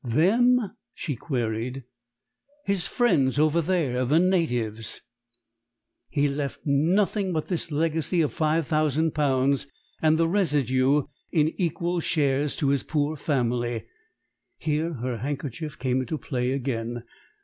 "'Them'?" she queried. "His friends over there the natives." "He left nothing but this legacy of five thousand pounds, and the residue in equal shares to his poor family." Here her handkerchief came into play again.